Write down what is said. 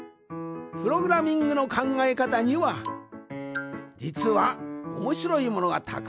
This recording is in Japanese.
プログラミングのかんがえかたにはじつはおもしろいものがたくさんある。